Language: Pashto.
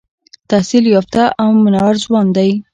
تحصیل یافته او منور ځوان دی.